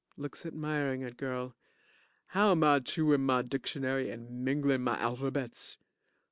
(Looks admiring at girl) How am I chewin' my dictionary and minglin' my alphabets?